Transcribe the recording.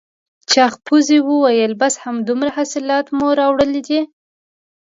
چاغ پوځي وویل بس همدومره حاصلات مو راوړل دي؟